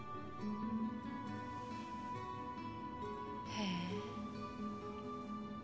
へえ。